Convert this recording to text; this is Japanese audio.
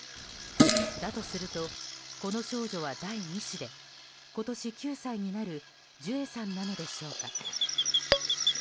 だとすると、この少女は第２子で今年９歳になるジュエさんなのでしょうか。